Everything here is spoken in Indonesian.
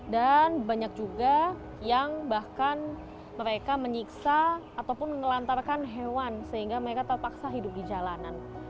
dan banyak juga yang bahkan mereka menyiksa ataupun mengelantarkan hewan sehingga mereka terpaksa hidup di jalanan